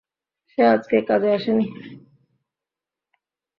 সে আজকে কাজে আসেনি।